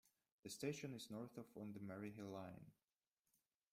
The station is north of on the Maryhill Line.